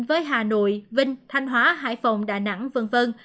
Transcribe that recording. với hà nội vinh thanh hóa hải phòng đà nẵng v v